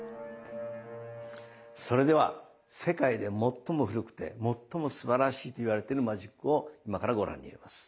それでは世界で最も古くて最もすばらしいといわれているマジックを今からご覧に入れます。